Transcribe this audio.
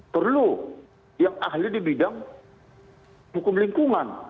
perlu yang ahli di bidang hukum lingkungan